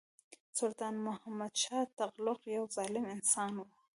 سلطان محمدشاه تغلق یو ظالم انسان وو.